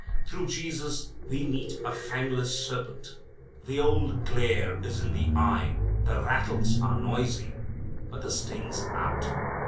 Through Jesus we meet a fangless serpent. The old glare is in the eye, the rattles are noisy, but the sting's out.